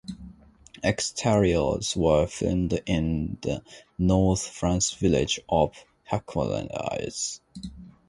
Exteriors were filmed in the North France village of Hucqueliers.